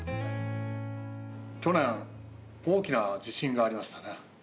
去年大きな地震がありましたね。